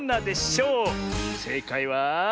せいかいは。